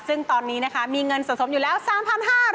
ซึ่งตอนนี้นะคะมีเงินสะสมอยู่แล้ว๓๕๐๐บาท